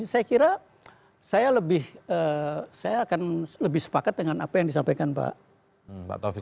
saya kira saya lebih saya akan lebih sepakat dengan apa yang disampaikan pak taufik